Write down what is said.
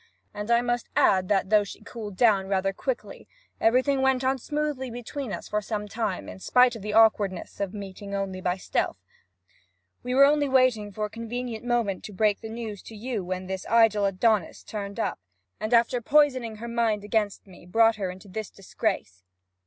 And I must add that, though she cooled down rather quickly, everything went on smoothly enough between us for some time; in spite of the awkwardness of meeting only by stealth. We were only waiting for a convenient moment to break the news to you when this idle Adonis turned up, and after poisoning her mind against me, brought her into this disgrace.'